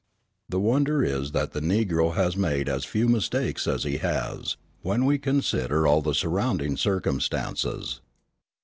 The wonder is that the Negro has made as few mistakes as he has, when we consider all the surrounding circumstances.